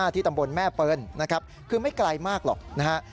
ที่ตำรวจแม่เปิ่ลคือไม่ไกลมากหรอกนะครับ